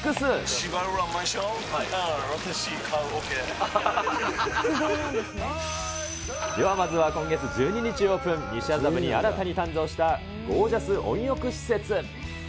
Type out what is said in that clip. シバウラマンション、ワタシ、ではまずは、今月１２日オープン、西麻布に新たに誕生したゴージャス温浴施設。